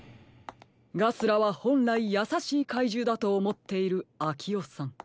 ガスラはほんらいやさしいかいじゅうだとおもっているアキオさん。